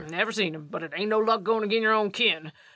Never seen 'im, but it ain't no luck goin' agin yer own kin.